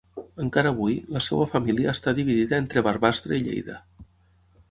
Encara avui, la seva família està dividida entre Barbastre i Lleida.